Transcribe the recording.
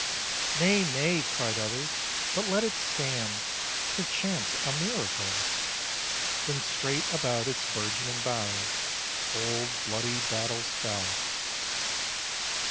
"Nay, nay," cried others, "but let it stand, Perchance a miracle." Then straight about its burgeoning boughs Old bloody battles fell.